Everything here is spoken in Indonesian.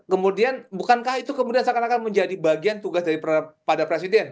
kemudian bukankah itu kemudian seakan akan menjadi bagian tugas daripada presiden